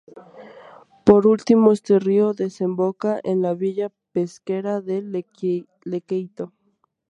Por último este río desemboca en la villa pesquera de Lequeitio.